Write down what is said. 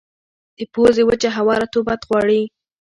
د پوزې وچه هوا رطوبت غواړي.